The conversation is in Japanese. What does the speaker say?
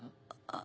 あ。